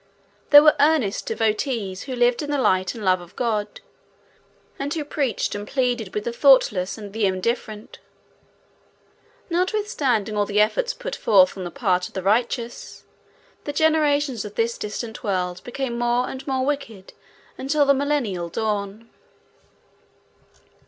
There were earnest devotees who lived in the light and love of God, and who preached and pleaded with the thoughtless and the indifferent. Notwithstanding all the efforts put forth on the part of the righteous, the generations of this distant world became more and more wicked until the Millennial dawn.